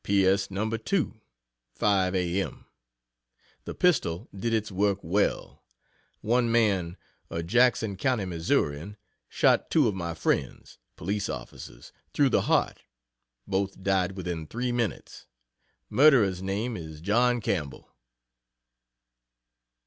P. S. No 2 5 A.M. The pistol did its work well one man a Jackson County Missourian, shot two of my friends, (police officers,) through the heart both died within three minutes. Murderer's name is John Campbell.